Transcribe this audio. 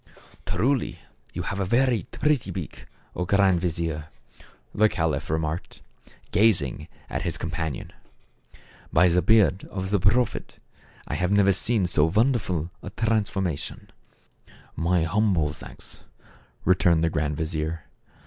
" Truly you have a very pretty beak, 0 Grand vizier," the caliph remarked, gazing at his com TME CAUP/V; great garden THE CAB AVAN. 93 panion. " By the beard of the Prophet, I have never seen so wonderful a transformation." " My humble thanks," returned the grand vizier.